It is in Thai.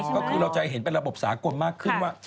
ก็คือเราจะเห็นเป็นระบบสากลมากขึ้นว่า